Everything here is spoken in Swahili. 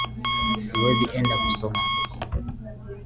Siwezi enda kusoma huko